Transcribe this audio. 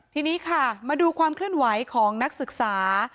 ทีนี้ค่ะมาดูความเคลื่อนไหวของนักศึกษา